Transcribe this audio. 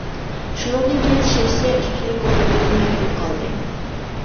شۇنىڭدىن كېيىن شىۋېتسىيە ئۈستۈنلۈك ھوقۇقىدىن مەھرۇم قالدى.